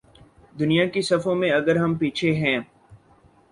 دنیا کی صفوں میں اگر ہم پیچھے ہیں۔